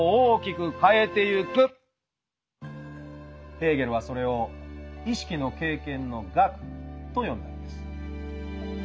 ヘーゲルはそれを「意識の経験の学」と呼んだのです。